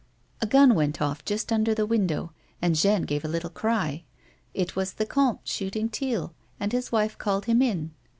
A gun went off just under the window, and Jeanne gave a little cry. It was the comte shooting teal, and his wife called him in.